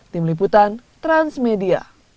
tim liputan transmedia